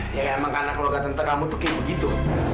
ya emang karena keluarga tentang kamu tuh kayak begitu